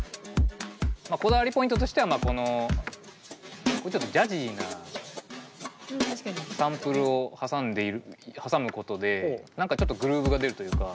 こだわりポイントとしてはこのちょっとジャジーなサンプルを挟むことで何かちょっとグルーヴが出るというか。